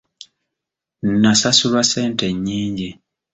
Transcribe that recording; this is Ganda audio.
Nasasulwa ssente nnyingi .